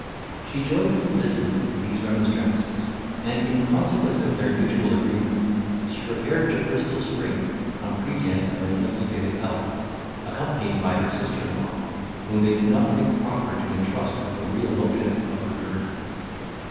She joyfully listened to these remonstrances, and, in consequence of their mutual agreement, she repaired to Bristol Spring, on pretence of an ill state of health, accompanied by her sister in law, whom they did not think proper to intrust with the real motive of her journey.